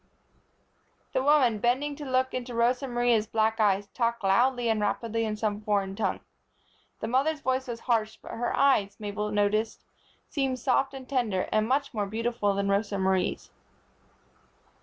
The woman, bending to look into Rosa Marie's black eyes, talked loudly and rapidly in some foreign tongue. The mother's voice was harsh, but her eyes, Mabel noticed, seemed soft and tender, and much more beautiful than Rosa Marie's.